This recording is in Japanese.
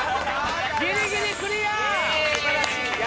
ギリギリクリア！